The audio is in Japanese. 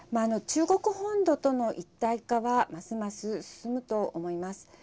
中国本土との一体化はますます進むと思います。